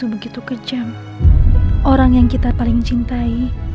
malah menjadi seorang yang tidak bisa kita miliki